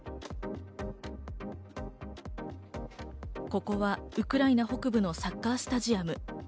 ここはウクライナ北部のサッカースタジアム。